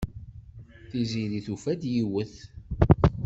Tiziri tufa-d yiwet.